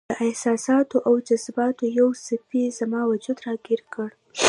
د احساساتو او جذباتو یوې څپې زما وجود راګیر کړ.